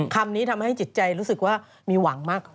คำนี้ทำให้จิตใจรู้สึกว่ามีหวังมาก